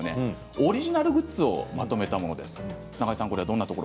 オリジナルグッズをまとめたものです。